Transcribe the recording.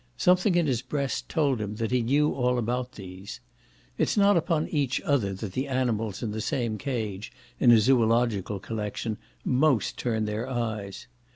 Something in his breast told him that he knew all about these. It's not upon each other that the animals in the same cage, in a zoological collection, most turn their eyes.